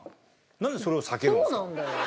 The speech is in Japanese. なんでそれを避けるんですか？